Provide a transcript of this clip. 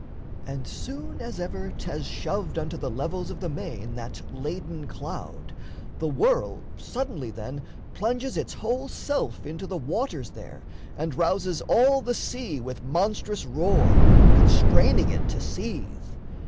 And soon as ever 'Thas shoved unto the levels of the main That laden cloud, the whirl suddenly then Plunges its whole self into the waters there And rouses all the sea with monstrous roar, Constraining it to seethe.